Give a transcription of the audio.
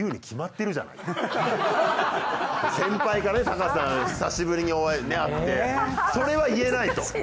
先輩がねタカさん久しぶりに会ってそれは言えないと。